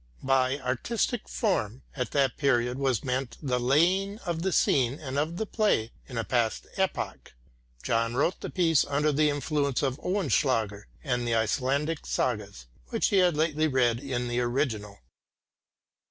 By "artistic form" at that period was meant the laying of the scene of the play in a past epoch. John wrote the piece under the influence of Oehlenschläger and the Icelandic sagas which he had lately read in the original.